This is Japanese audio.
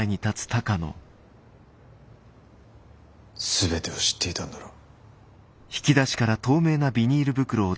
全てを知っていたんだろう？